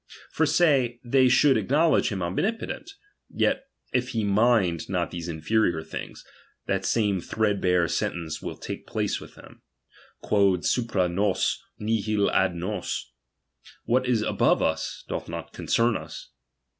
For say, they should acknowledge him omnipotent ; yet if he mind not these inferior things, that same thread bare sentence will take place with them: quod supra nos, nihil ad Jios ; what is above us, doth not concern us.